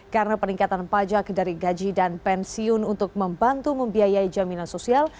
karena peningkatan pajak dari gaji dan pensiun untuk membantu membiayai jaminan sosial